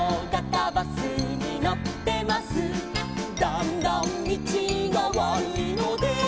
「だんだんみちがわるいので」